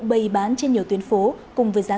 bày bán trên nhiều tuyến phố cùng với giá